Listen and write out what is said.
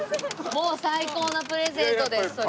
もう最高なプレゼントですそれ。